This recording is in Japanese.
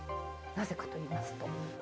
なぜかといいますと？